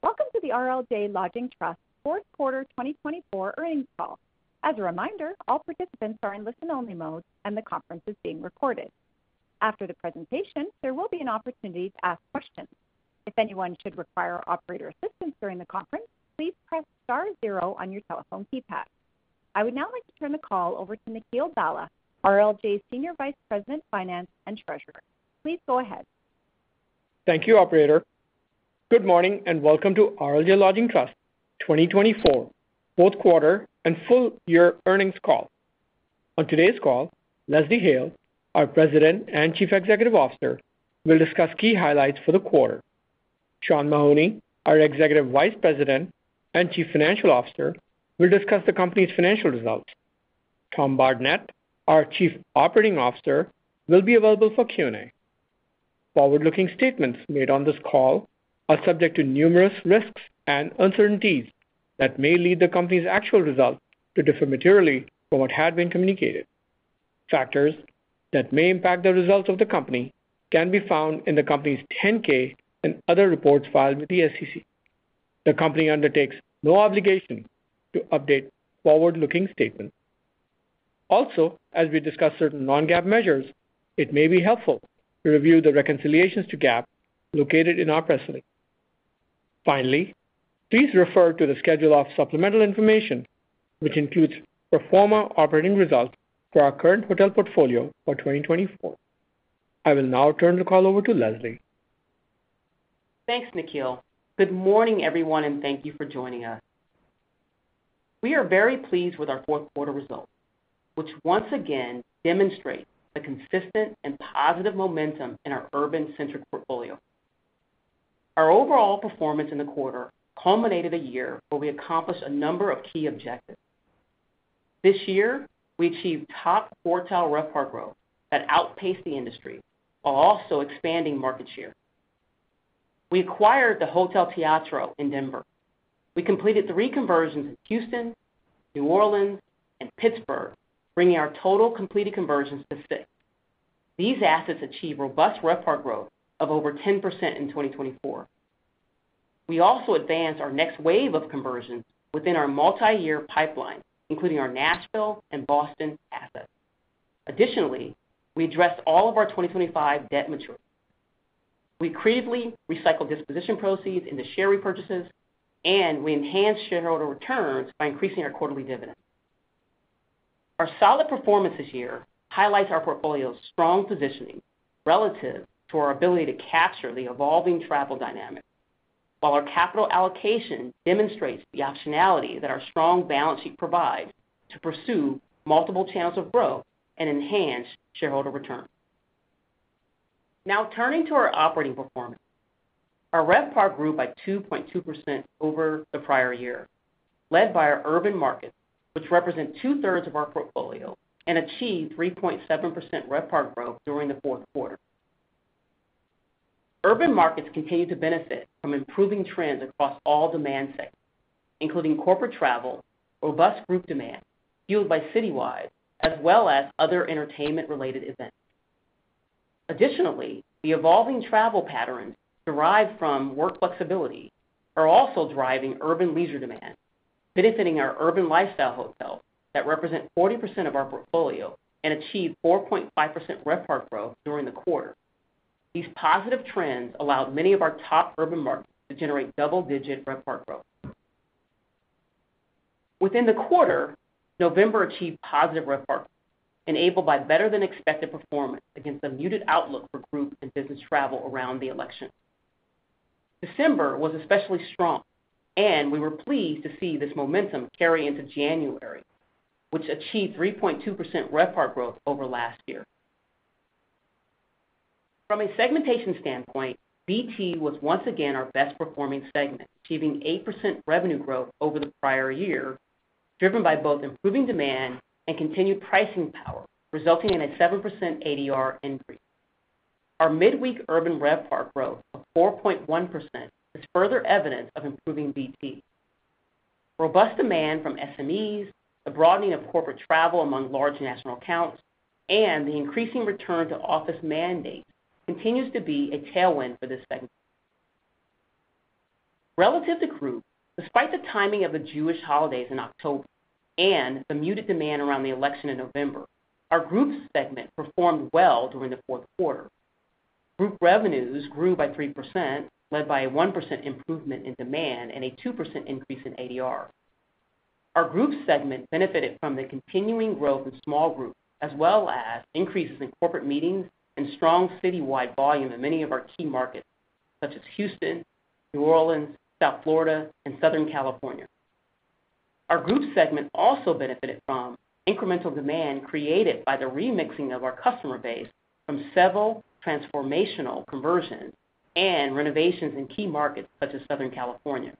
Welcome to the RLJ Lodging Trust fourth quarter 2024 Earnings Call. As a reminder, all participants are in listen-only mode, and the conference is being recorded. After the presentation, there will be an opportunity to ask questions. If anyone should require operator assistance during the conference, please press star zero on your telephone keypad. I would now like to turn the call over to Nikhil Bhalla, RLJ Senior Vice President, Finance and Treasurer. Please go ahead. Thank you, Operator. Good morning and welcome to RLJ Lodging Trust 2024, fourth quarter and Full Year Earnings Call. On today's call, Leslie Hale, our President and Chief Executive Officer, will discuss key highlights for the quarter. Sean Mahoney, our Executive Vice President and Chief Financial Officer, will discuss the company's financial results. Tom Bardenett, our Chief Operating Officer, will be available for Q&A. Forward-looking statements made on this call are subject to numerous risks and uncertainties that may lead the company's actual results to differ materially from what had been communicated. Factors that may impact the results of the company can be found in the company's 10-K and other reports filed with the SEC. The company undertakes no obligation to update forward-looking statements. Also, as we discuss certain non-GAAP measures, it may be helpful to review the reconciliations to GAAP located in our press release. Finally, please refer to the schedule of supplemental information, which includes pro forma operating results for our current hotel portfolio for 2024. I will now turn the call over to Leslie. Thanks, Nikhil. Good morning, everyone, and thank you for joining us. We are very pleased with our fourth quarter results, which once again demonstrate the consistent and positive momentum in our urban-centric portfolio. Our overall performance in the quarter culminated a year where we accomplished a number of key objectives. This year, we achieved top-quartile RevPAR growth that outpaced the industry, while also expanding market share. We acquired the Hotel Teatro in Denver. We completed three conversions in Houston, New Orleans, and Pittsburgh, bringing our total completed conversions to six. These assets achieved robust RevPAR growth of over 10% in 2024. We also advanced our next wave of conversions within our multi-year pipeline, including our Nashville and Boston assets. Additionally, we addressed all of our 2025 debt maturity. We creatively recycled disposition proceeds into share repurchases, and we enhanced shareholder returns by increasing our quarterly dividends. Our solid performance this year highlights our portfolio's strong positioning relative to our ability to capture the evolving travel dynamic, while our capital allocation demonstrates the optionality that our strong balance sheet provides to pursue multiple channels of growth and enhanced shareholder returns. Now, turning to our operating performance, our RevPAR grew by 2.2% over the prior year, led by our urban markets, which represent 2/3 of our portfolio and achieved 3.7% RevPAR growth during the fourth quarter. Urban markets continue to benefit from improving trends across all demand segments, including corporate travel, robust group demand fueled by citywide, as well as other entertainment-related events. Additionally, the evolving travel patterns derived from work flexibility are also driving urban leisure demand, benefiting our urban lifestyle hotels that represent 40% of our portfolio and achieved 4.5% RevPAR growth during the quarter. These positive trends allowed many of our top urban markets to generate double-digit RevPAR growth. Within the quarter, November achieved positive RevPAR growth, enabled by better-than-expected performance against a muted outlook for group and business travel around the election. December was especially strong, and we were pleased to see this momentum carry into January, which achieved 3.2% RevPAR growth over last year. From a segmentation standpoint, BT was once again our best-performing segment, achieving 8% revenue growth over the prior year, driven by both improving demand and continued pricing power, resulting in a 7% ADR increase. Our midweek urban RevPAR growth of 4.1% is further evidence of improving BT. Robust demand from SMEs, the broadening of corporate travel among large national accounts, and the increasing return to office mandate continues to be a tailwind for this segment. Relative to group, despite the timing of the Jewish holidays in October and the muted demand around the election in November, our Group segment performed well during the fourth quarter. Group revenues grew by 3%, led by a 1% improvement in demand and a 2% increase in ADR. Our Group segment benefited from the continuing growth in small group, as well as increases in corporate meetings and strong citywide volume in many of our key markets, such as Houston, New Orleans, South Florida, and Southern California. Our Group segment also benefited from incremental demand created by the remixing of our customer base from several transformational conversions and renovations in key markets, such as Southern California.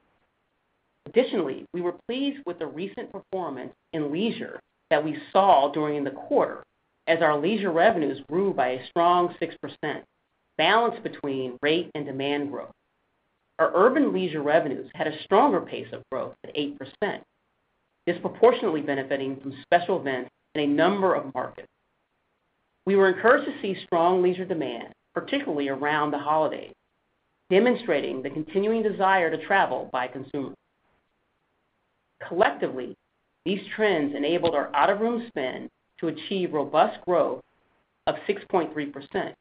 Additionally, we were pleased with the recent performance in leisure that we saw during the quarter, as our leisure revenues grew by a strong 6%, balanced between rate and demand growth. Our urban leisure revenues had a stronger pace of growth at 8%, disproportionately benefiting from special events in a number of markets. We were encouraged to see strong leisure demand, particularly around the holidays, demonstrating the continuing desire to travel by consumers. Collectively, these trends enabled our out-of-room spend to achieve robust growth of 6.3%,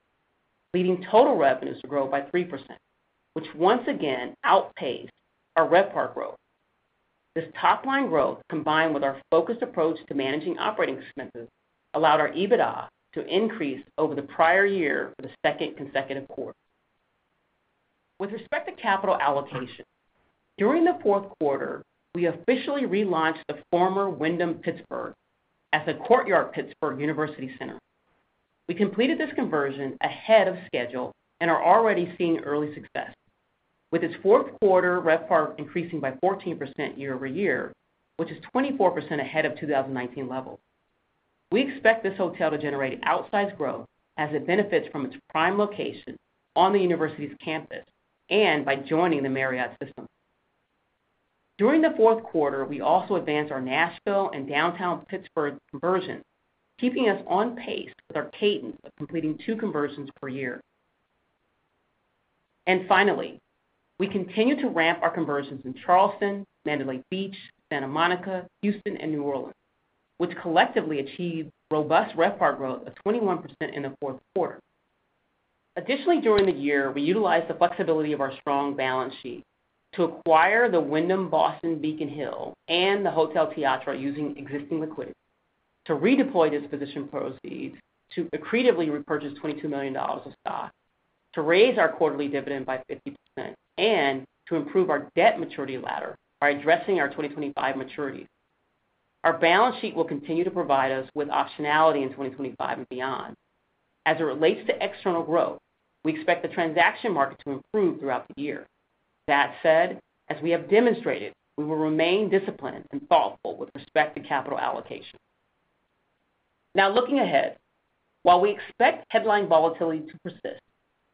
leading total revenues to grow by 3%, which once again outpaced our RevPAR growth. This top-line growth, combined with our focused approach to managing operating expenses, allowed our EBITDA to increase over the prior year for the second consecutive quarter. With respect to capital allocation, during the fourth quarter, we officially relaunched the former Wyndham Pittsburgh as a Courtyard Pittsburgh University Center. We completed this conversion ahead of schedule and are already seeing early success, with its fourth quarter RevPAR increasing by 14% year-over-year, which is 24% ahead of 2019 levels. We expect this hotel to generate outsized growth as it benefits from its prime location on the university's campus and by joining the Marriott system. During the fourth quarter, we also advanced our Nashville and downtown Pittsburgh conversions, keeping us on pace with our cadence of completing two conversions per year. And finally, we continue to ramp our conversions in Charleston, Mandalay Beach, Santa Monica, Houston, and New Orleans, which collectively achieved robust RevPAR growth of 21% in the fourth quarter. Additionally, during the year, we utilized the flexibility of our strong balance sheet to acquire the Wyndham Boston Beacon Hill and the Hotel Teatro using existing liquidity, to redeploy disposition proceeds to accretively repurchase $22 million of stock, to raise our quarterly dividend by 50%, and to improve our debt maturity ladder by addressing our 2025 maturities. Our balance sheet will continue to provide us with optionality in 2025 and beyond. As it relates to external growth, we expect the transaction market to improve throughout the year. That said, as we have demonstrated, we will remain disciplined and thoughtful with respect to capital allocation. Now, looking ahead, while we expect headline volatility to persist,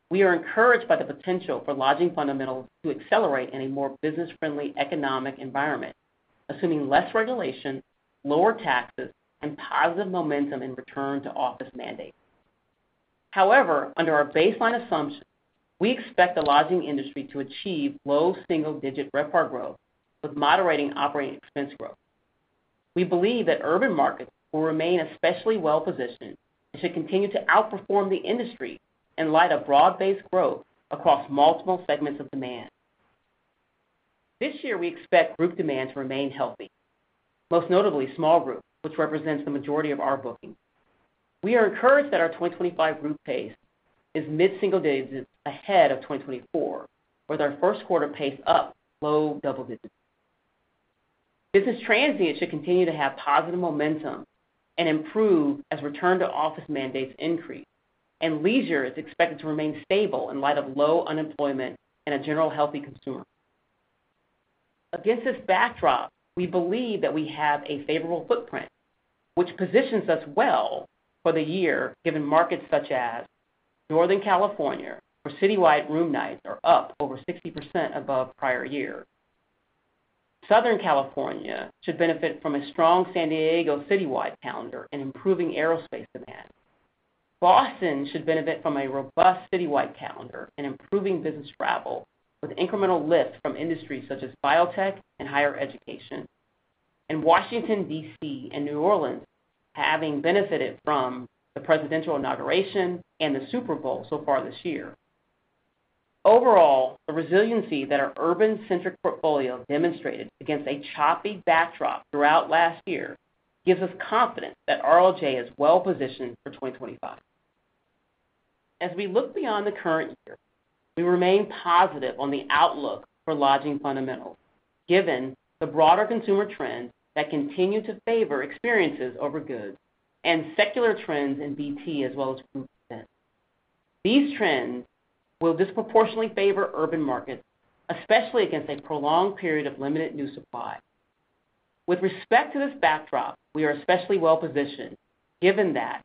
we are encouraged by the potential for lodging fundamentals to accelerate in a more business-friendly economic environment, assuming less regulation, lower taxes, and positive momentum in return to office mandates. However, under our baseline assumption, we expect the lodging industry to achieve low single-digit RevPAR growth with moderating operating expense growth. We believe that urban markets will remain especially well-positioned and should continue to outperform the industry in light of broad-based growth across multiple segments of demand. This year, we expect group demand to remain healthy, most notably small group, which represents the majority of our booking. We are encouraged that our 2025 group pace is mid-single digits ahead of 2024, with our first quarter pace up low double digits. Business Transient should continue to have positive momentum and improve as return to office mandates increase, and leisure is expected to remain stable in light of low unemployment and a general healthy consumer. Against this backdrop, we believe that we have a favorable footprint, which positions us well for the year, given markets such as Northern California, where citywide room nights are up over 60% above prior year. Southern California should benefit from a strong San Diego citywide calendar and improving aerospace demand. Boston should benefit from a robust citywide calendar and improving business travel, with incremental lifts from industries such as biotech and higher education, and Washington, DC. and New Orleans having benefited from the presidential inauguration and the Super Bowl so far this year. Overall, the resiliency that our urban-centric portfolio demonstrated against a choppy backdrop throughout last year gives us confidence that RLJ is well-positioned for 2025. As we look beyond the current year, we remain positive on the outlook for lodging fundamentals, given the broader consumer trends that continue to favor experiences over goods and secular trends in BT as well as group spend. These trends will disproportionately favor urban markets, especially against a prolonged period of limited new supply. With respect to this backdrop, we are especially well-positioned, given that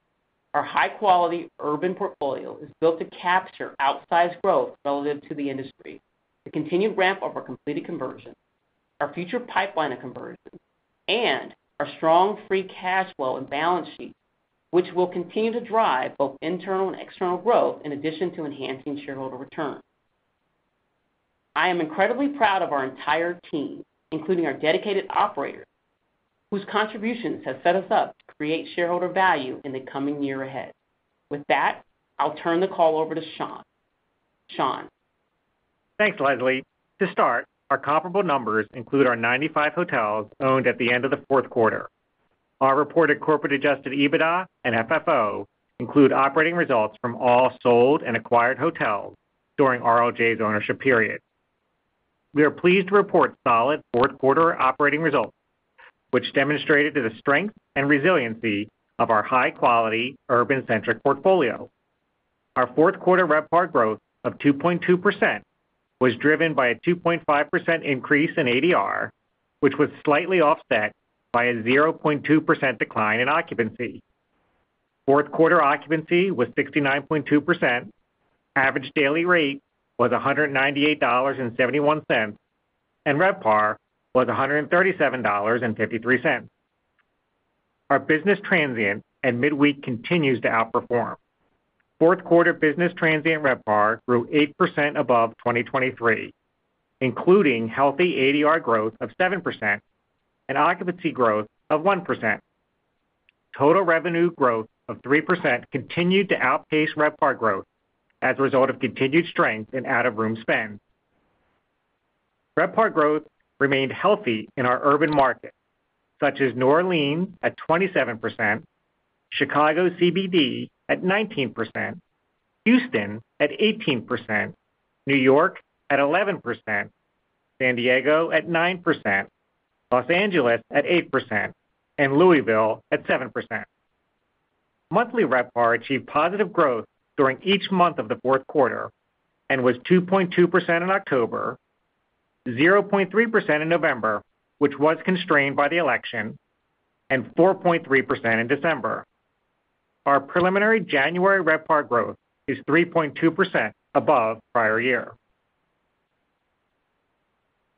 our high-quality Urban portfolio is built to capture outsized growth relative to the industry, the continued ramp of our completed conversions, our future pipeline of conversions, and our strong free cash flow and balance sheet, which will continue to drive both internal and external growth in addition to enhancing shareholder returns. I am incredibly proud of our entire team, including our dedicated operators, whose contributions have set us up to create shareholder value in the coming year ahead. With that, I'll turn the call over to Sean. Sean. Thanks, Leslie. To start, our comparable numbers include our 95 hotels owned at the end of the fourth quarter. Our reported corporate-adjusted EBITDA and FFO include operating results from all sold and acquired hotels during RLJ's ownership period. We are pleased to report solid fourth-quarter operating results, which demonstrated the strength and resiliency of our high-quality Urban-Centric portfolio. Our fourth-quarter RevPAR growth of 2.2% was driven by a 2.5% increase in ADR, which was slightly offset by a 0.2% decline in occupancy. Fourth-quarter occupancy was 69.2%, average daily rate was $198.71, and RevPAR was $137.53. Our Business Transient and Midweek continues to outperform. Fourth-quarter business transient RevPAR grew 8% above 2023, including healthy ADR growth of 7% and occupancy growth of 1%. Total revenue growth of 3% continued to outpace RevPAR growth as a result of continued strength in out-of-room spend. RevPAR growth remained healthy in our urban markets, such as New Orleans at 27%, Chicago CBD at 19%, Houston at 18%, New York at 11%, San Diego at 9%, Los Angeles at 8%, and Louisville at 7%. Monthly RevPAR achieved positive growth during each month of the fourth quarter and was 2.2% in October, 0.3% in November, which was constrained by the election, and 4.3% in December. Our preliminary January RevPAR growth is 3.2% above prior year.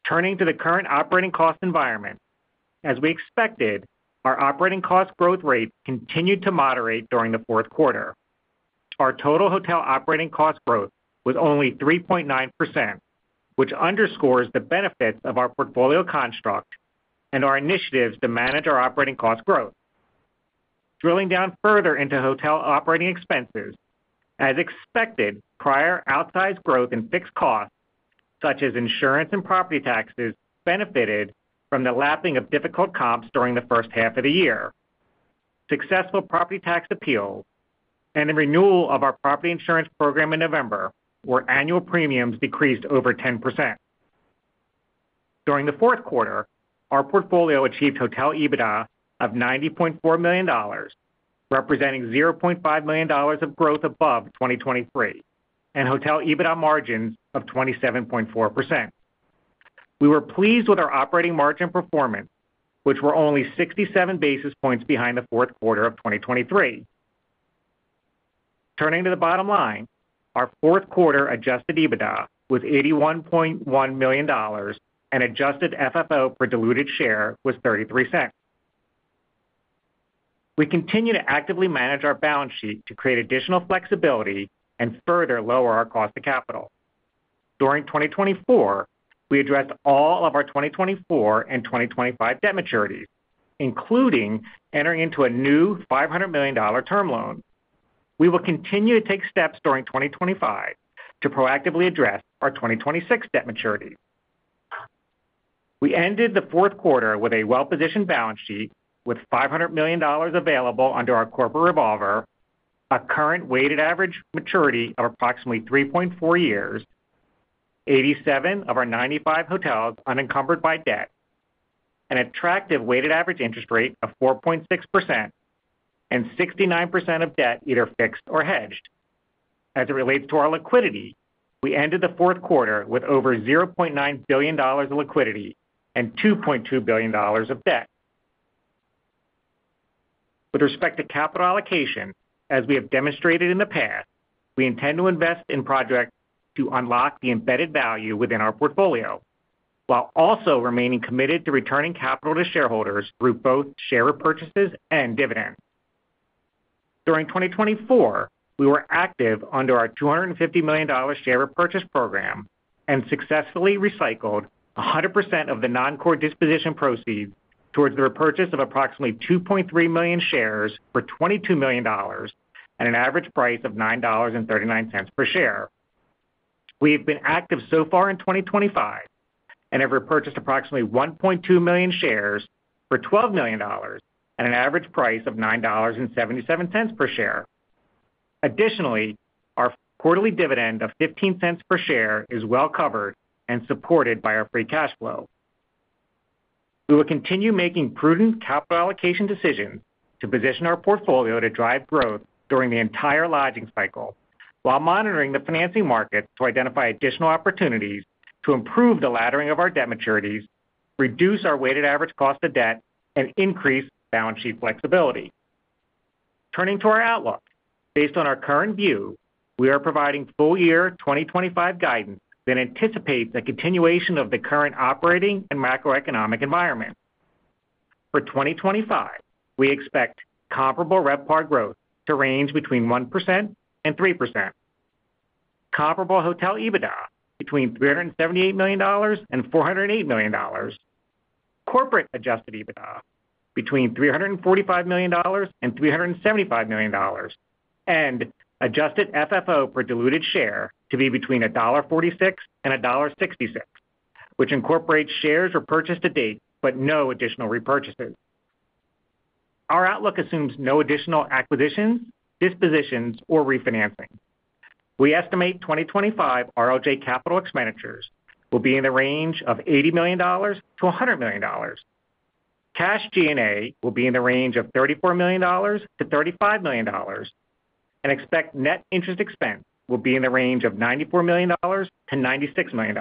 Turning to the current operating cost environment, as we expected, our operating cost growth rate continued to moderate during the fourth quarter. Our total hotel operating cost growth was only 3.9%, which underscores the benefits of our portfolio construct and our initiatives to manage our operating cost growth. Drilling down further into hotel operating expenses, as expected, prior outsized growth in fixed costs, such as insurance and property taxes, benefited from the lapping of difficult comps during the first half of the year. Successful property tax appeals and the renewal of our property insurance program in November, where annual premiums decreased over 10%. During the fourth quarter, our portfolio achieved hotel EBITDA of $90.4 million, representing $0.5 million of growth above 2023, and hotel EBITDA margins of 27.4%. We were pleased with our operating margin performance, which were only 67 basis points behind the fourth quarter of 2023. Turning to the bottom line, our fourth-quarter adjusted EBITDA was $81.1 million, and adjusted FFO per diluted share was $0.33. We continue to actively manage our balance sheet to create additional flexibility and further lower our cost of capital. During 2024, we addressed all of our 2024 and 2025 debt maturities, including entering into a new $500 million term loan. We will continue to take steps during 2025 to proactively address our 2026 debt maturity. We ended the fourth quarter with a well-positioned balance sheet with $500 million available under our corporate revolver, a current weighted average maturity of approximately 3.4 years, 87 of our 95 hotels unencumbered by debt, an attractive weighted average interest rate of 4.6%, and 69% of debt either fixed or hedged. As it relates to our liquidity, we ended the fourth quarter with over $0.9 billion of liquidity and $2.2 billion of debt. With respect to capital allocation, as we have demonstrated in the past, we intend to invest in projects to unlock the embedded value within our portfolio, while also remaining committed to returning capital to shareholders through both share repurchases and dividends. During 2024, we were active under our $250 million share repurchase program and successfully recycled 100% of the non-core disposition proceeds towards the repurchase of approximately 2.3 million shares for $22 million at an average price of $9.39 per share. We have been active so far in 2025 and have repurchased approximately 1.2 million shares for $12 million at an average price of $9.77 per share. Additionally, our quarterly dividend of $0.15 per share is well covered and supported by our free cash flow. We will continue making prudent capital allocation decisions to position our portfolio to drive growth during the entire lodging cycle, while monitoring the financing markets to identify additional opportunities to improve the laddering of our debt maturities, reduce our weighted average cost of debt, and increase balance sheet flexibility. Turning to our outlook, based on our current view, we are providing full-year 2025 guidance that anticipates a continuation of the current operating and macroeconomic environment. For 2025, we expect comparable RevPAR growth to range between 1% and 3%, comparable hotel EBITDA between $378 million and $408 million, corporate-adjusted EBITDA between $345 million and $375 million, and adjusted FFO per diluted share to be between $1.46 and $1.66, which incorporates shares repurchased to date but no additional repurchases. Our outlook assumes no additional acquisitions, dispositions, or refinancing. We estimate 2025 RLJ capital expenditures will be in the range of $80 million to $100 million. Cash G&A will be in the range of $34 million to $35 million, and expect net interest expense will be in the range of $94 million to $96 million.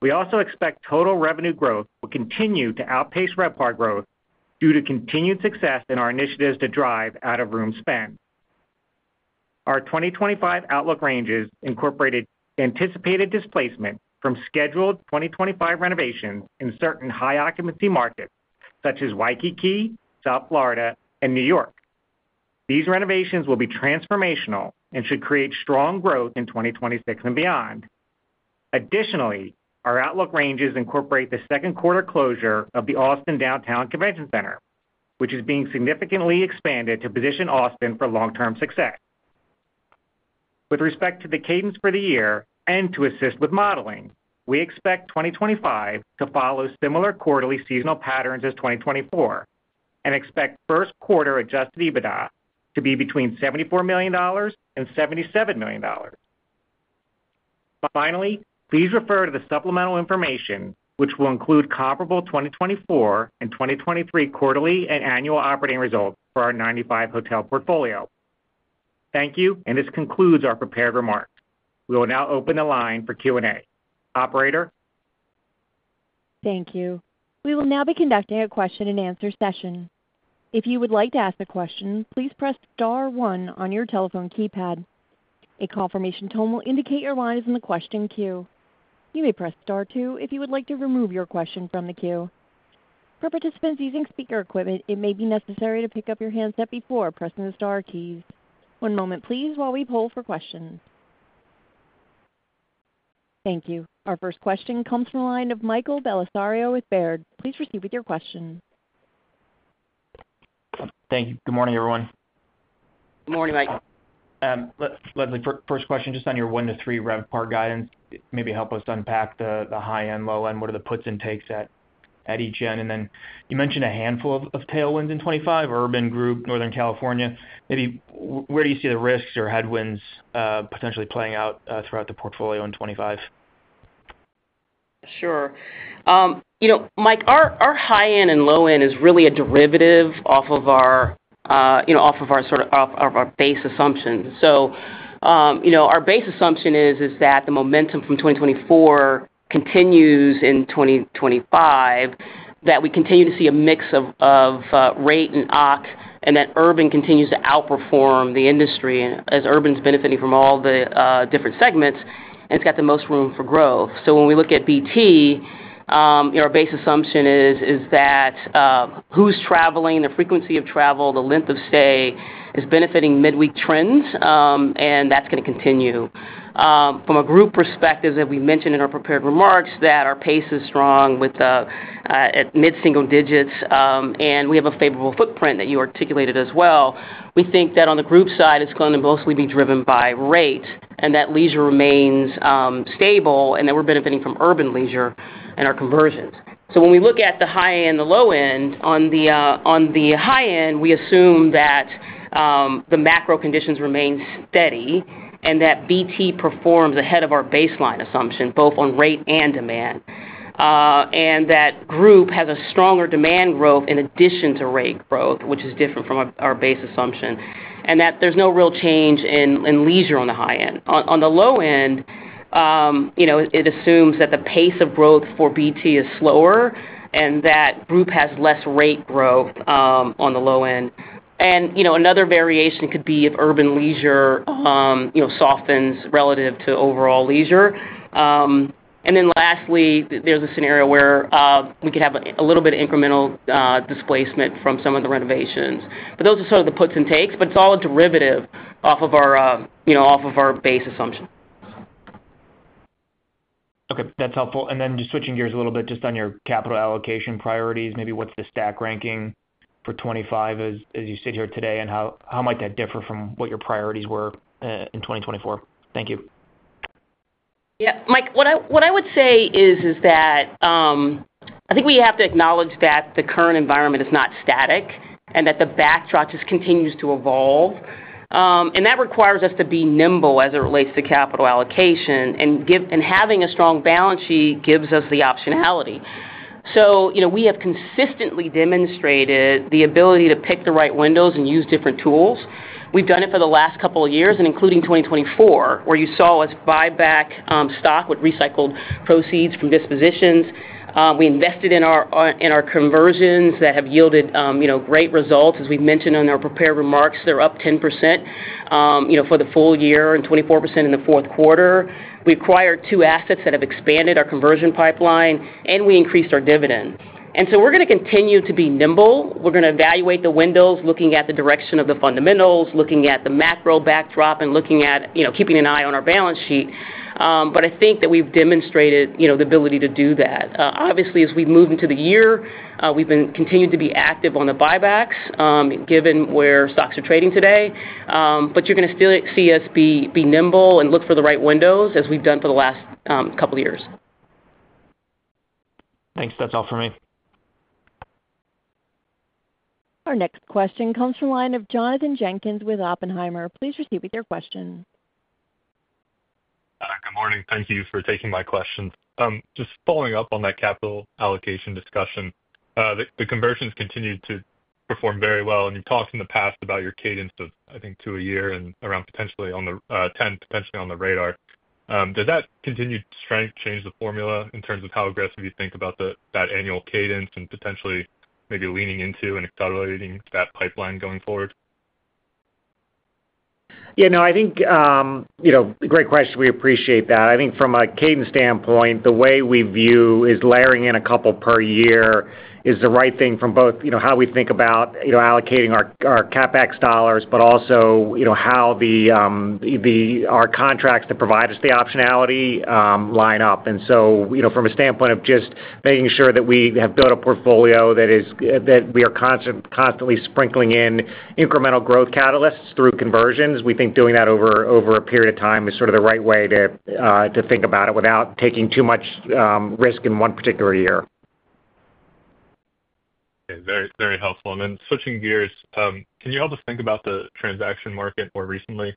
We also expect total revenue growth will continue to outpace RevPAR growth due to continued success in our initiatives to drive out-of-room spend. Our 2025 outlook ranges incorporated anticipated displacement from scheduled 2025 renovations in certain high-occupancy markets, such as Waikiki, South Florida, and New York. These renovations will be transformational and should create strong growth in 2026 and beyond. Additionally, our outlook ranges incorporate the second quarter closure of the Austin Downtown Convention Center, which is being significantly expanded to position Austin for long-term success. With respect to the cadence for the year and to assist with modeling, we expect 2025 to follow similar quarterly seasonal patterns as 2024 and expect first quarter adjusted EBITDA to be between $74 million and $77 million. Finally, please refer to the supplemental information, which will include comparable 2024 and 2023 quarterly and annual operating results for our 95 hotel portfolio. Thank you, and this concludes our prepared remarks. We will now open the line for Q&A. Operator. Thank you. We will now be conducting a question-and-answer session. If you would like to ask a question, please press star one on your telephone keypad. A confirmation tone will indicate your line is in the question queue. You may press star two if you would like to remove your question from the queue. For participants using speaker equipment, it may be necessary to pick up your handset before pressing the Star keys. One moment, please, while we poll for questions. Thank you. Our first question comes from the line of Michael Bellisario with Baird. Please proceed with your question. Thank you. Good morning, everyone. Good morning, Mike. Leslie, first question, just on your one to three RevPAR guidance, maybe help us unpack the high-end, low-end, what are the puts and takes at each end? Then you mentioned a handful of tailwinds in 2025, Urban Group, Northern California. Maybe where do you see the risks or headwinds potentially playing out throughout the portfolio in 2025? Sure. You know, Mike, our high-end and low-end is really a derivative off of our sort of our base assumption. So, our base assumption is that the momentum from 2024 continues in 2025, that we continue to see a mix of rate and Oc, and that Urban continues to outperform the industry as Urban's benefiting from all the different segments, and it's got the most room for growth. So when we look at BT, our base assumption is that who's traveling, the frequency of travel, the length of stay is benefiting midweek trends, and that's going to continue. From a group perspective, as we mentioned in our prepared remarks, that our pace is strong with mid-single digits, and we have a favorable footprint that you articulated as well. We think that on the Group side, it's going to mostly be driven by rate and that leisure remains stable and that we're benefiting from urban leisure and our conversions, so when we look at the high-end, the low-end, on the high-end, we assume that the macro conditions remain steady and that BT performs ahead of our baseline assumption, both on rate and demand. And that Group has a stronger demand growth in addition to rate growth, which is different from our base assumption, and that there's no real change in leisure on the high-end. On the low-end, it assumes that the pace of growth for BT is slower and that group has less rate growth on the low-end, and another variation could be if urban leisure softens relative to overall leisure. And then lastly, there's a scenario where we could have a little bit of incremental displacement from some of the renovations. But those are sort of the puts and takes, but it's all a derivative off of our base assumption. Okay. That's helpful. And then just switching gears a little bit, just on your capital allocation priorities, maybe what's the stack ranking for 2025 as you sit here today, and how might that differ from what your priorities were in 2024? Thank you. Yeah. Mike, what I would say is that I think we have to acknowledge that the current environment is not static and that the backdrop just continues to evolve. And that requires us to be nimble as it relates to capital allocation, and having a strong balance sheet gives us the optionality. So, we have consistently demonstrated the ability to pick the right windows and use different tools. We've done it for the last couple of years, including 2024, where you saw us buy back stock with recycled proceeds from dispositions. We invested in our conversions that have yielded great results. As we've mentioned in our prepared remarks, they're up 10% for the full year and 24% in the fourth quarter. We acquired two assets that have expanded our conversion pipeline, and we increased our dividend. And so we're going to continue to be nimble. We're going to evaluate the windows, looking at the direction of the fundamentals, looking at the macro backdrop, and keeping an eye on our balance sheet. But I think that we've demonstrated the ability to do that. Obviously, as we've moved into the year, we've continued to be active on the buybacks, given where stocks are trading today. But you're going to still see us be nimble and look for the right windows, as we've done for the last couple of years. Thanks. That's all for me. Our next question comes from the line of Jonathan Jenkins with Oppenheimer. Please proceed with your question. Good morning. Thank you for taking my question. Just following up on that capital allocation discussion, the conversions continue to perform very well. And you've talked in the past about your cadence of, I think, two a year and around potentially on the 10, potentially on the radar. Does that continued strength change the formula in terms of how aggressive you think about that annual cadence and potentially maybe leaning into and accelerating that pipeline going forward? Yeah. No, I think great question. We appreciate that. I think from a cadence standpoint, the way we view is layering in a couple per year is the right thing from both how we think about allocating our CapEx dollars, but also how our contracts to provide us the optionality line up. And so from a standpoint of just making sure that we have built a portfolio that we are constantly sprinkling in incremental growth catalysts through conversions, we think doing that over a period of time is sort of the right way to think about it without taking too much risk in one particular year. Very helpful. And then switching gears, can you help us think about the transaction market more recently,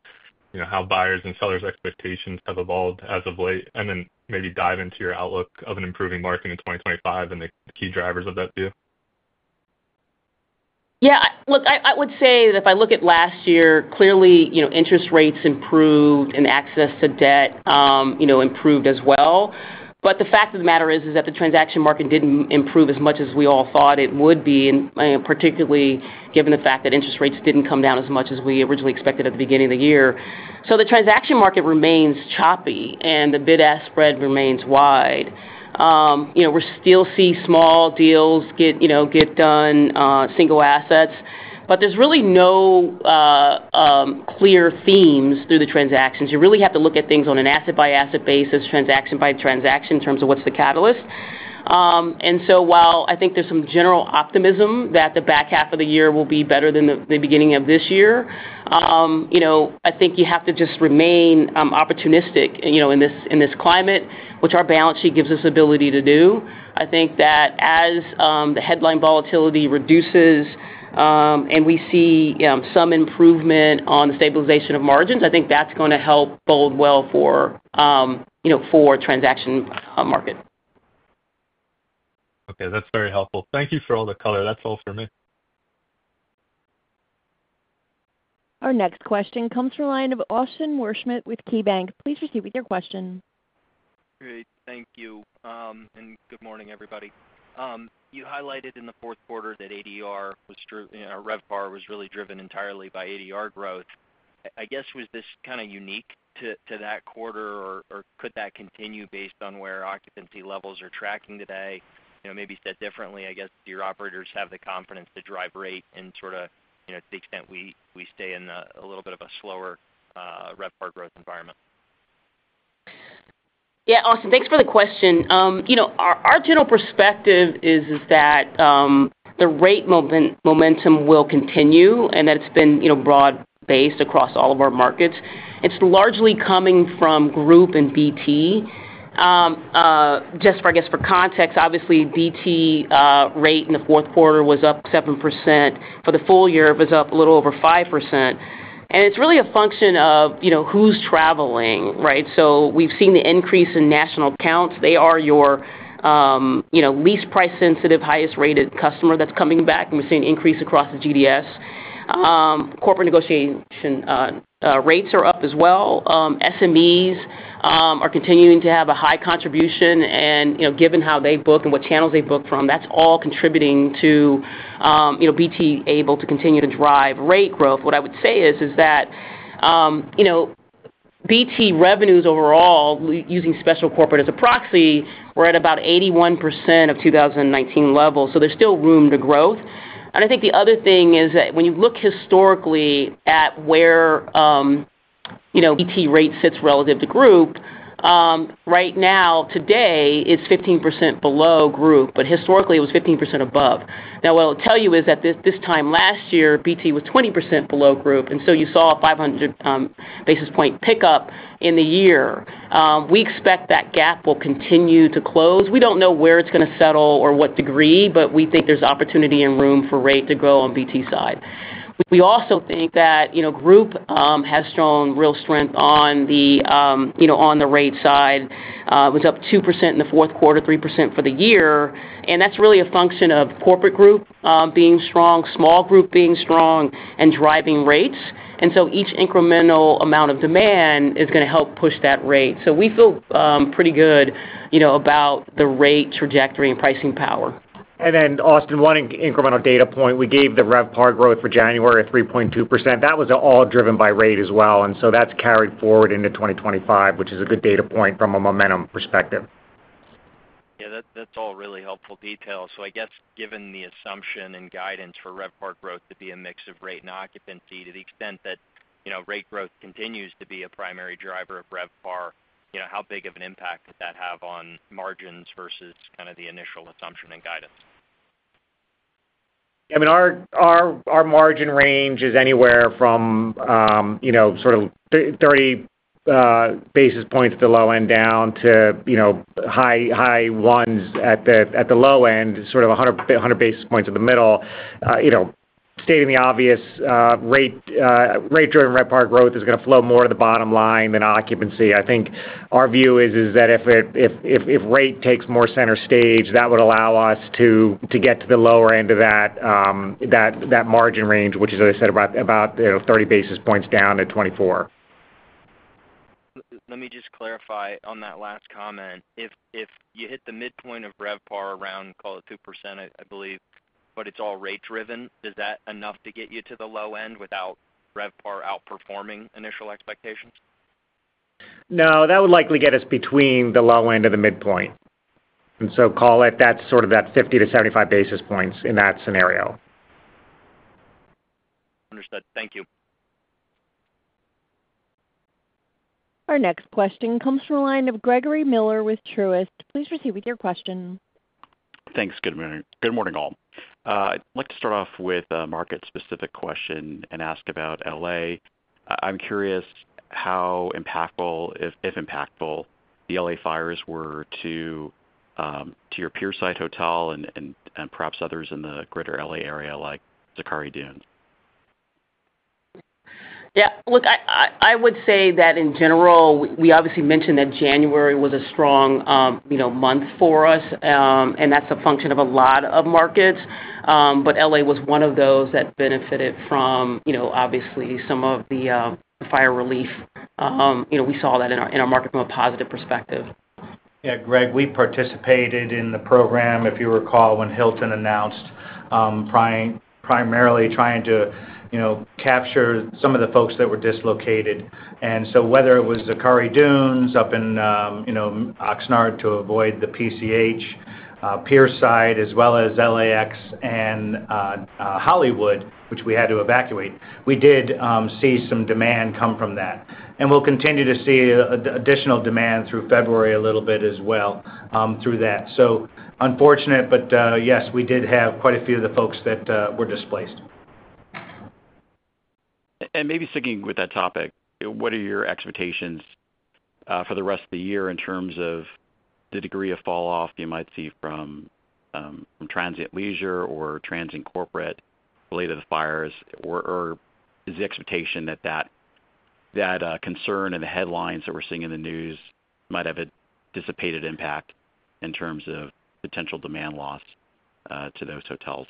how buyers' and sellers' expectations have evolved as of late, and then maybe dive into your outlook of an improving market in 2025 and the key drivers of that view? Yeah. Look, I would say that if I look at last year, clearly interest rates improved and access to debt improved as well. But the fact of the matter is that the transaction market didn't improve as much as we all thought it would be, particularly given the fact that interest rates didn't come down as much as we originally expected at the beginning of the year. So the transaction market remains choppy and the bid-ask spread remains wide. We still see small deals get done, single assets, but there's really no clear themes through the transactions. You really have to look at things on an asset-by-asset basis, transaction-by-transaction in terms of what's the catalyst. And so while I think there's some general optimism that the back half of the year will be better than the beginning of this year, I think you have to just remain opportunistic in this climate, which our balance sheet gives us the ability to do. I think that as the headline volatility reduces and we see some improvement on the stabilization of margins, I think that's going to help bode well for the transaction market. Okay. That's very helpful. Thank you for all the color. That's all for me. Our next question comes from the line of Austin Worsham with KeyBanc. Please proceed with your question. Great. Thank you. Good morning, everybody. You highlighted in the fourth quarter that ADR was really driven entirely by ADR growth. I guess, was this kind of unique to that quarter, or could that continue based on where occupancy levels are tracking today? Maybe said differently, I guess, do your operators have the confidence to drive rate and sort of to the extent we stay in a little bit of a slower RevPAR growth environment? Yeah. Austin, thanks for the question. Our general perspective is that the rate momentum will continue and that it's been broad-based across all of our markets. It's largely coming from group and BT. Just, I guess, for context, obviously, BT rate in the fourth quarter was up 7%. For the full year, it was up a little over 5%. And it's really a function of who's traveling, right? So, we've seen the increase in national counts. They are your least price-sensitive, highest-rated customer that's coming back, and we're seeing an increase across the GDS. Corporate negotiation rates are up as well. SMEs are continuing to have a high contribution, and given how they book and what channels they book from, that's all contributing to BT able to continue to drive rate growth. What I would say is that BT revenues overall, using Special Corporate as a proxy, we're at about 81% of 2019 levels. So, there's still room to grow. And I think the other thing is that when you look historically at where BT rate sits relative to group, right now, today, it's 15% below group, but historically, it was 15% above. Now, what I'll tell you is that this time last year, BT was 20% below group, and so you saw a 500 basis points pickup in the year. We expect that gap will continue to close. We don't know where it's going to settle or what degree, but we think there's opportunity and room for rate to grow on BT side. We also think that Group has shown real strength on the rate side. It was up 2% in the fourth quarter, 3% for the year. And that's really a function of corporate group being strong, small group being strong, and driving rates. And so each incremental amount of demand is going to help push that rate. So, we feel pretty good about the rate trajectory and pricing power. And then, Austin, one incremental data point. We gave the RevPAR growth for January at 3.2%. That was all driven by rate as well. And so that's carried forward into 2025, which is a good data point from a momentum perspective. Yeah. That's all really helpful details. So I guess, given the assumption and guidance for RevPAR growth to be a mix of rate and occupancy to the extent that rate growth continues to be a primary driver of RevPAR, how big of an impact does that have on margins versus kind of the initial assumption and guidance? Yeah. I mean, our margin range is anywhere from sort of 30 basis points at the low end down to high ones at the low end, sort of 100 basis points at the middle. Stating the obvious, rate-driven RevPAR growth is going to flow more to the bottom line than occupancy. I think our view is that if rate takes more center stage, that would allow us to get to the lower end of that margin range, which is, as I said, about 30 basis points down at 24. Let me just clarify on that last comment. If you hit the midpoint of RevPAR around, call it 2%, I believe, but it's all rate-driven, is that enough to get you to the low end without RevPAR outperforming initial expectations? No. That would likely get us between the low end and the midpoint, and so call it that's sort of that 50-75 basis points in that scenario. Understood. Thank you. Our next question comes from the line of Gregory Miller with Truist. Please proceed with your question. Thanks. Good morning, all. I'd like to start off with a market-specific question and ask about LA. I'm curious how impactful, if impactful, the LA fires were to your Pierside Hotel and perhaps others in the greater LA area like Zachari Dunes. Yeah. Look, I would say that in general, we obviously mentioned that January was a strong month for us, and that's a function of a lot of markets. But LA was one of those that benefited from, obviously, some of the fire relief. We saw that in our market from a positive perspective. Yeah. Greg, we participated in the program, if you recall, when Hilton announced primarily trying to capture some of the folks that were dislocated. And so whether it was Zachari Dunes up in Oxnard to avoid the PCH, Pierside, as well as LAX and Hollywood, which we had to evacuate, we did see some demand come from that. And we'll continue to see additional demand through February a little bit as well through that. So unfortunate, but yes, we did have quite a few of the folks that were displaced. Maybe sticking with that topic, what are your expectations for the rest of the year in terms of the degree of falloff you might see from transient leisure or transient corporate related to the fires? Or is the expectation that that concern and the headlines that we're seeing in the news might have a dissipated impact in terms of potential demand loss to those hotels?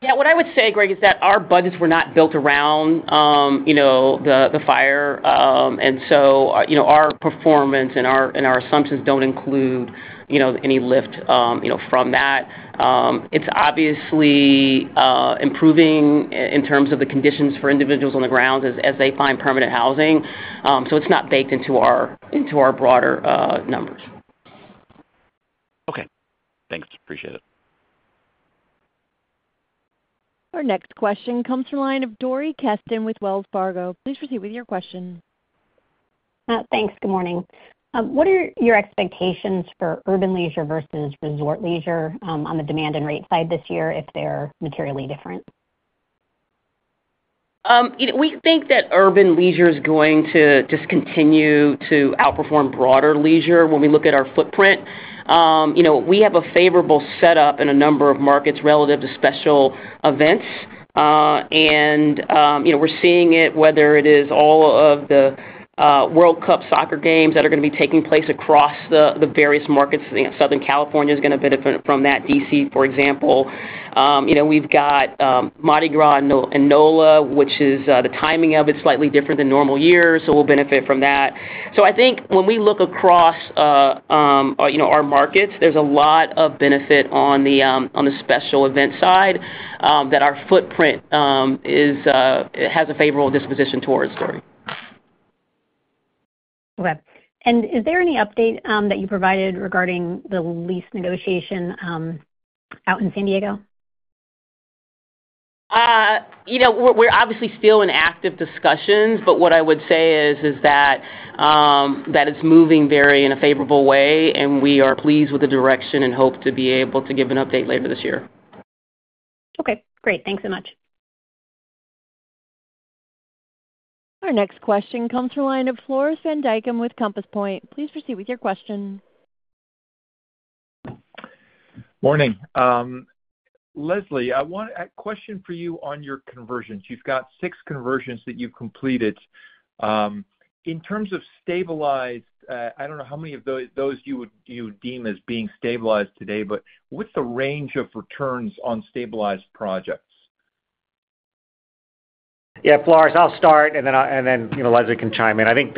Yeah. What I would say, Greg, is that our budgets were not built around the fire, and so our performance and our assumptions don't include any lift from that. It's obviously improving in terms of the conditions for individuals on the grounds as they find permanent housing, so it's not baked into our broader numbers. Okay. Thanks. Appreciate it. Our next question comes from the line of Dori Kesten with Wells Fargo. Please proceed with your question. Thanks. Good morning. What are your expectations for urban leisure versus resort leisure on the demand and rate side this year, if they're materially different? We think that urban leisure is going to just continue to outperform broader leisure when we look at our footprint. We have a favorable setup in a number of markets relative to special events. And we're seeing it, whether it is all of the World Cup soccer games that are going to be taking place across the various markets. Southern California is going to benefit from that, DC, for example. We've got Mardi Gras and NOLA, which is the timing of its slightly different than normal years, so we'll benefit from that. So, I think when we look across our markets, there's a lot of benefit on the special event side that our footprint has a favorable disposition towards Dori. Okay, and is there any update that you provided regarding the lease negotiation out in San Diego? We're obviously still in active discussions, but what I would say is that it's moving very in a favorable way, and we are pleased with the direction and hope to be able to give an update later this year. Okay. Great. Thanks so much. Our next question comes from the line of Floris van Dijkum with Compass Point. Please proceed with your question. Morning. Leslie, I have a question for you on your conversions. You've got six conversions that you've completed. In terms of stabilized, I don't know how many of those you deem as being stabilized today, but what's the range of returns on stabilized projects? Yeah. Floris, I'll start, and then Leslie can chime in. I think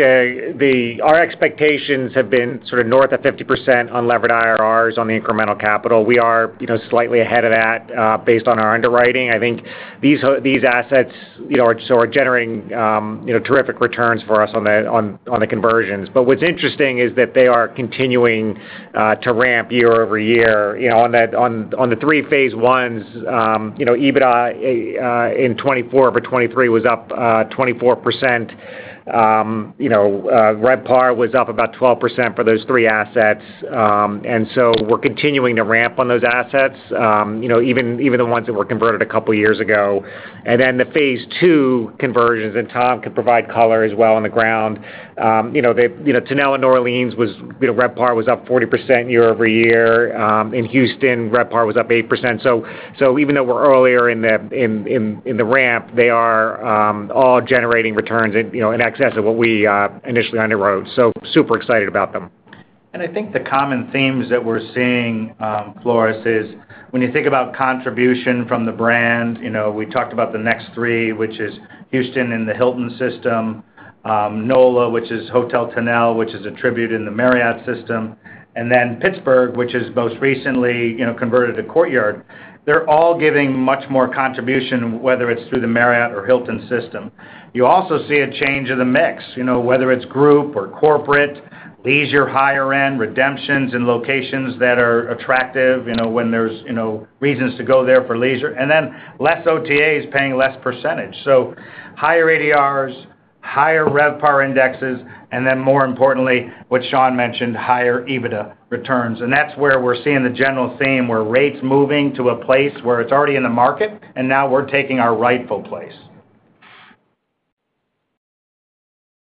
our expectations have been sort of north of 50% on levered IRRs on the incremental capital. We are slightly ahead of that based on our underwriting. I think these assets are generating terrific returns for us on the conversions. What's interesting is that they are continuing to ramp year-over-year. On the three Phase 1s, EBITDA in 2024 for 2023 was up 24%. RevPAR was up about 12% for those three assets. And so we're continuing to ramp on those assets, even the ones that were converted a couple of years ago. And then the Phase 2 conversions, and Tom can provide color as well on the ground. Tonnelle, New Orleans, RevPAR was up 40% year-over-year. In Houston, RevPAR was up 8%. So, even though we're earlier in the ramp, they are all generating returns in excess of what we initially underwrote. So, super excited about them. And I think the common themes that we're seeing, Floris, is when you think about contribution from the brand. We talked about the next three, which is Houston in the Hilton system, NOLA, which is Hotel Tonnelle, which is a Tribute in the Marriott system, and then Pittsburgh, which is most recently converted to Courtyard. They're all giving much more contribution, whether it's through the Marriott or Hilton system. You also see a change of the mix, whether it's group or corporate, leisure higher end, redemptions in locations that are attractive when there's reasons to go there for leisure. And then less OTAs paying less percentage. So, higher ADRs, higher RevPAR indexes, and then, more importantly, what Sean mentioned, higher EBITDA returns. And that's where we're seeing the general theme where rate's moving to a place where it's already in the market, and now we're taking our rightful place.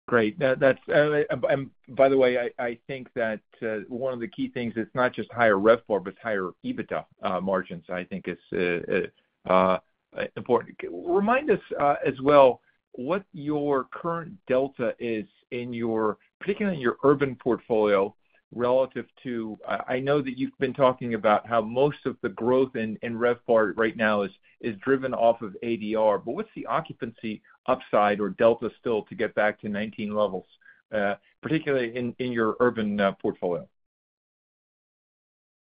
Great. By the way, I think that one of the key things is not just higher RevPAR, but it's higher EBITDA margins, I think, is important. Remind us as well what your current delta is, particularly in your Urban portfolio relative to I know that you've been talking about how most of the growth in RevPAR right now is driven off of ADR. But what's the occupancy upside or delta still to get back to 19 levels, particularly in your urban portfolio?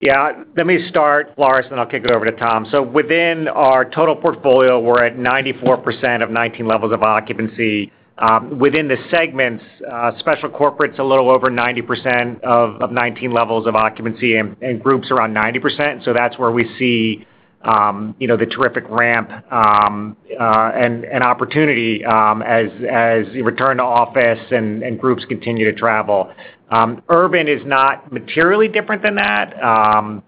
Yeah. Let me start, Floris, and then I'll kick it over to Tom. So within our total portfolio, we're at 94% of 19 levels of occupancy. Within the segments, special Corporate's a little over 90% of 2019 levels of occupancy and Group's around 90%. So, that's where we see the terrific ramp and opportunity as return to office and groups continue to travel. Urban is not materially different than that, and I'll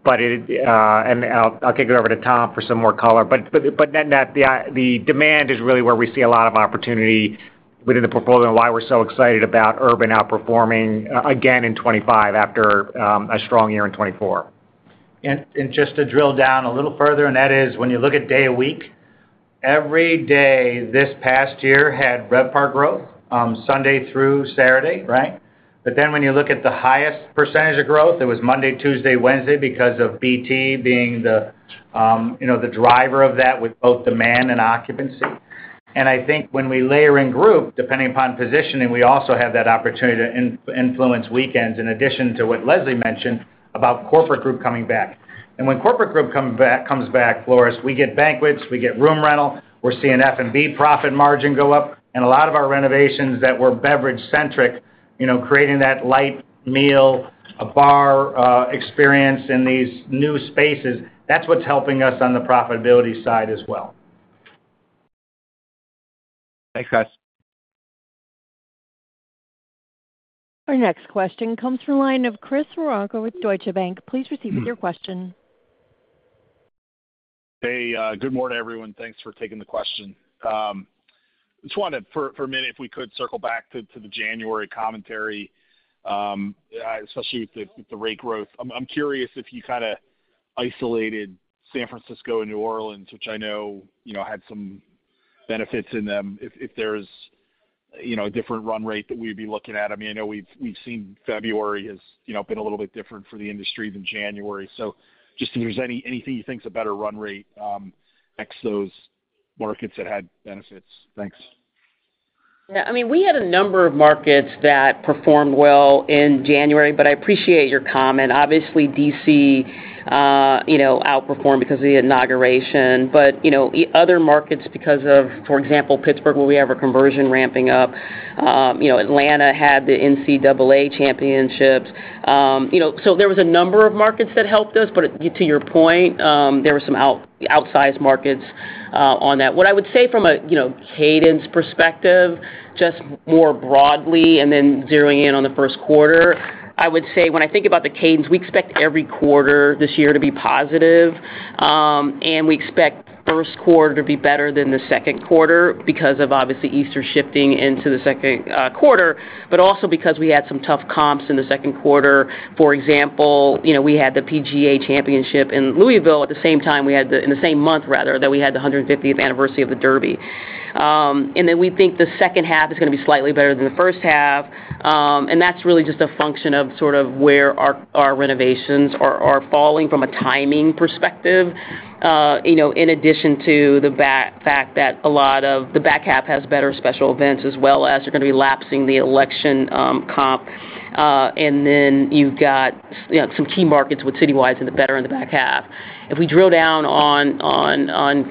kick it over to Tom for some more color. But the demand is really where we see a lot of opportunity within the portfolio and why we're so excited about urban outperforming again in 2025 after a strong year in 2024. And just to drill down a little further, and that is when you look at day of week, every day this past year had RevPAR growth, Sunday through Saturday, right? But then when you look at the highest percentage of growth, it was Monday, Tuesday, Wednesday because of BT being the driver of that with both demand and occupancy. And I think when we layer in Group, depending upon positioning, we also have that opportunity to influence weekends in addition to what Leslie mentioned about corporate group coming back. And when corporate group comes back, Floris, we get banquets, we get room rental, we're seeing F&B profit margin go up. And a lot of our renovations that were beverage-centric, creating that light meal, a bar experience in these new spaces, that's what's helping us on the profitability side as well. Thanks, guys. Our next question comes from the line of Chris Woronka with Deutsche Bank. Please proceed with your question. Hey. Good morning, everyone. Thanks for taking the question. I just wanted for a minute, if we could, circle back to the January commentary, especially with the rate growth. I'm curious if you kind of isolated San Francisco and New Orleans, which I know had some benefits in them, if there's a different run rate that we'd be looking at. I mean, I know we've seen February has been a little bit different for the industry than January. So just if there's anything you thinks a better run rate next to those markets that had benefits. Thanks. Yeah. I mean, we had a number of markets that performed well in January, but I appreciate your comment. Obviously, DC outperformed because of the inauguration, but other markets, because of, for example, Pittsburgh where we have a conversion ramping up, Atlanta had the NCAA championships, so there was a number of markets that helped us. But to your point, there were some outsized markets on that. What I would say from a cadence perspective, just more broadly, and then zeroing in on the first quarter, I would say when I think about the cadence, we expect every quarter this year to be positive, and we expect first quarter to be better than the second quarter because of, obviously, Easter shifting into the second quarter, but also because we had some tough comps in the second quarter. For example, we had the PGA Championship in Louisville at the same time we had in the same month, rather, that we had the 150th Anniversary of the Derby. And then we think the second half is going to be slightly better than the first half. And that's really just a function of sort of where our renovations are falling from a timing perspective, in addition to the fact that a lot of the back half has better special events as well as you're going to be lapsing the election comp. And then you've got some key markets with citywide and the better in the back half. If we drill down on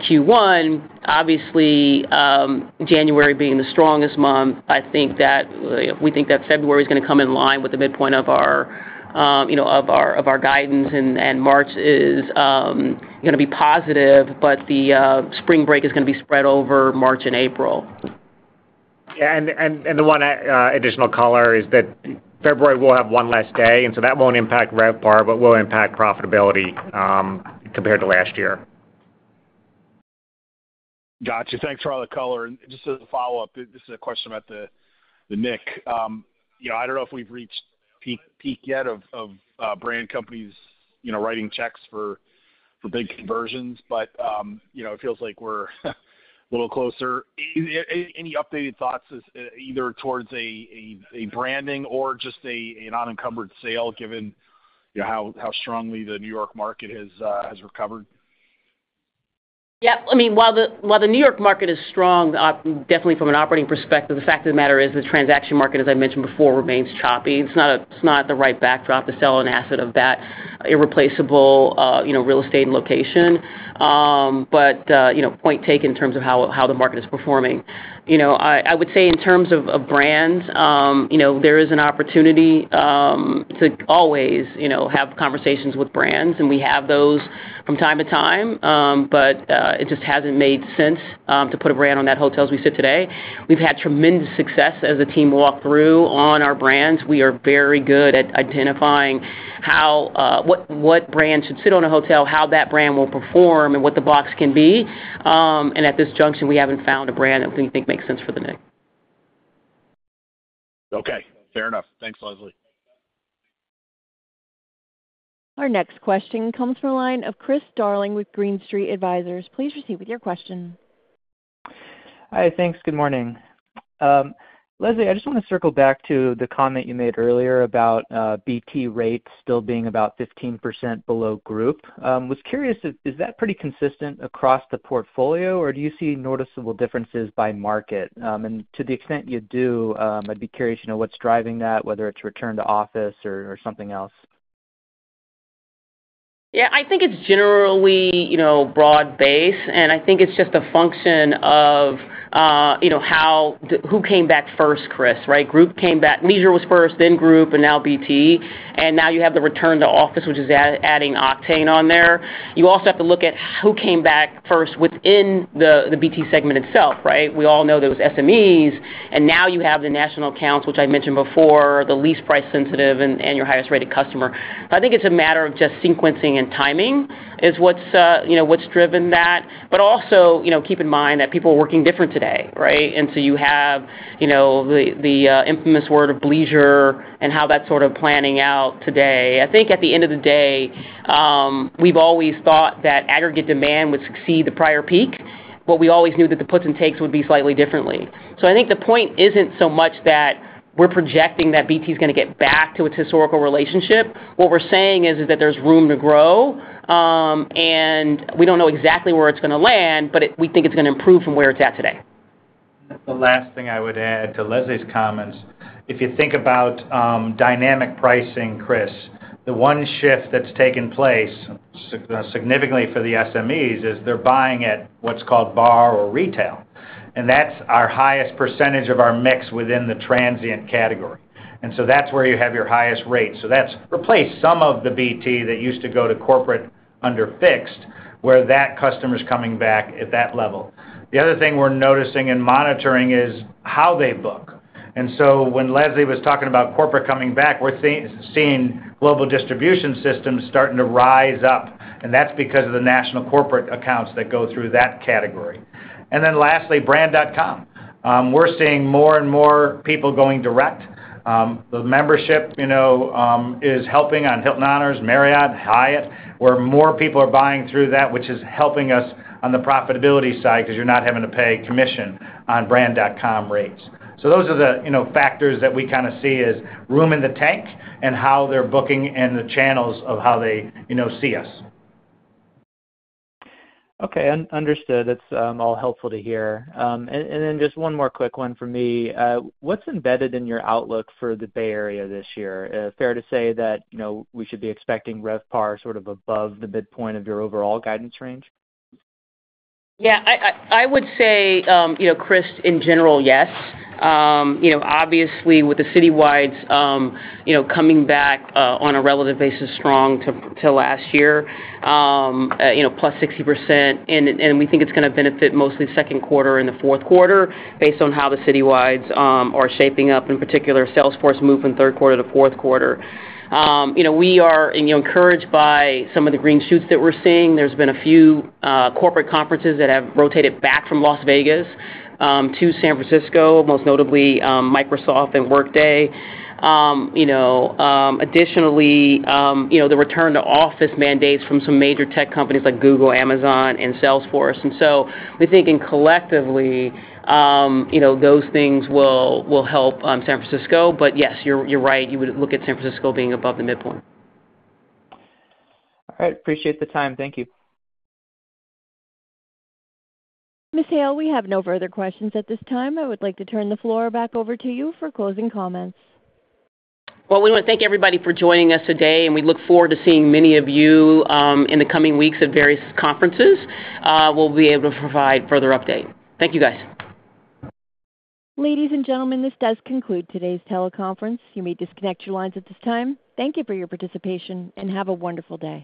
Q1 obviously, January being the strongest month, I think that we think that February is going to come in line with the midpoint of our guidance, and March is going to be positive, but the spring break is going to be spread over March and April. Yeah, and the one additional color is that February will have one less day, and so that won't impact RevPAR, but will impact profitability compared to last year. Gotcha. Thanks for all the color. And just as a follow-up, this is a question about The Knick. I don't know if we've reached peak yet of brand companies writing checks for big conversions, but it feels like we're a little closer. Any updated thoughts either towards a branding or just an unencumbered sale given how strongly the New York market has recovered? Yep. I mean, while the New York market is strong, definitely from an operating perspective, the fact of the matter is the transaction market, as I mentioned before, remains choppy. It's not the right backdrop to sell an asset of that irreplaceable real estate and location. But point taken in terms of how the market is performing. I would say in terms of brands, there is an opportunity to always have conversations with brands, and we have those from time to time, but it just hasn't made sense to put a brand on that hotel as we sit today. We've had tremendous success as the team walked through on our brands. We are very good at identifying what brand should sit on a hotel, how that brand will perform, and what the box can be. At this juncture, we haven't found a brand that we think makes sense for The Knick. Okay. Fair enough. Thanks, Leslie. Our next question comes from the line of Chris Darling with Green Street Advisors. Please proceed with your question. Hi. Thanks. Good morning. Leslie, I just want to circle back to the comment you made earlier about BT rates still being about 15% below Group. I was curious, is that pretty consistent across the portfolio, or do you see noticeable differences by market, and to the extent you do, I'd be curious what's driving that, whether it's return to office or something else? Yeah. I think it's generally broad-based, and I think it's just a function of who came back first, Chris, right? Group came back. Leisure was first, then group, and now BT. And now you have the return to office, which is adding octane on there. You also have to look at who came back first within the BT segment itself, right? We all know there was SMEs, and now you have the national accounts, which I mentioned before, the least price sensitive and your highest rated customer. So, I think it's a matter of just sequencing and timing is what's driven that. But also keep in mind that people are working different today, right? And so you have the infamous word of bleisure and how that's sort of planning out today. I think at the end of the day, we've always thought that aggregate demand would succeed the prior peak, but we always knew that the puts and takes would be slightly differently. So I think the point isn't so much that we're projecting that BT is going to get back to its historical relationship. What we're saying is that there's room to grow, and we don't know exactly where it's going to land, but we think it's going to improve from where it's at today. The last thing I would add to Leslie's comments, if you think about dynamic pricing, Chris, the one shift that's taken place significantly for the SMEs is they're buying at what's called bar or retail, and that's our highest percentage of our mix within the Transient category, and so that's where you have your highest rate, so that's replaced some of the BT that used to go to corporate under fixed, where that customer's coming back at that level. The other thing we're noticing and monitoring is how they book, and so when Leslie was talking about Corporate coming back, we're seeing global distribution systems starting to rise up, and that's because of the national corporate accounts that go through that category, and then lastly, brand.com, we're seeing more and more people going direct. The membership is helping on Hilton Honors, Marriott, Hyatt, where more people are buying through that, which is helping us on the profitability side because you're not having to pay commission on brand.com rates. So, those are the factors that we kind of see as room in the tank and how they're booking and the channels of how they see us. Okay. Understood. That's all helpful to hear. And then just one more quick one for me. What's embedded in your outlook for the Bay Area this year? Fair to say that we should be expecting RevPAR sort of above the midpoint of your overall guidance range? Yeah. I would say, Chris, in general, yes. Obviously, with the Citywides coming back on a relative basis strong to last year, plus 60%, and we think it's going to benefit mostly second quarter and the fourth quarter based on how the Citywides are shaping up, in particular, Salesforce moving third quarter to fourth quarter. We are encouraged by some of the green shoots that we're seeing. There's been a few corporate conferences that have rotated back from Las Vegas to San Francisco, most notably Microsoft and Workday. Additionally, the return to office mandates from some major tech companies like Google, Amazon, and Salesforce. And so we think collectively those things will help San Francisco. But yes, you're right. You would look at San Francisco being above the midpoint. All right. Appreciate the time. Thank you. Ms. Hale, we have no further questions at this time. I would like to turn the floor back over to you for closing comments. We want to thank everybody for joining us today, and we look forward to seeing many of you in the coming weeks at various conferences. We'll be able to provide further update. Thank you, guys. Ladies and gentlemen, this does conclude today's teleconference. You may disconnect your lines at this time. Thank you for your participation, and have a wonderful day.